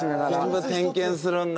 全部点検するんだ。